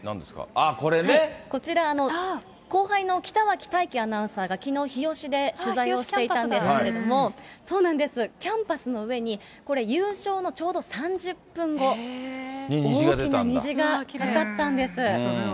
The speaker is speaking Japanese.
ああ、こちら、後輩のきたわけたいきアナウンサーがきのう日吉で取材をしていたんですけれども、そうなんです、キャンパスの上に、これ、優勝のちょうど３０分後、大きな虹がかかったんです。